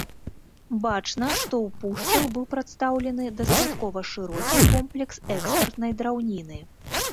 Бачна, што ў пушчах быў прадстаўлены дастаткова шырокі комплекс экспартнай драўніны.